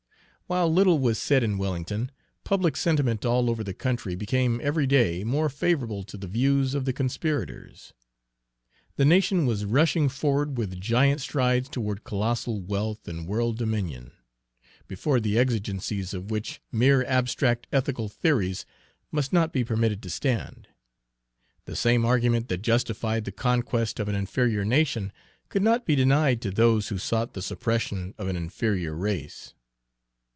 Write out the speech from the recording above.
While little was said in Wellington, public sentiment all over the country became every day more favorable to the views of the conspirators. The nation was rushing forward with giant strides toward colossal wealth and world dominion, before the exigencies of which mere abstract ethical theories must not be permitted to stand. The same argument that justified the conquest of an inferior nation could not be denied to those who sought the suppression of an inferior race.